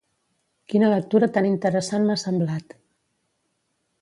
Quina lectura tan interessant m'ha semblat!